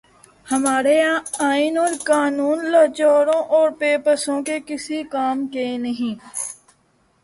ہمارے ہاں آئین اور قانون لاچاروں اور بے بسوں کے کسی کام کے نہیں۔